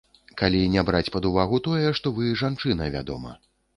Калі не браць пад увагу тое, што вы жанчына, вядома.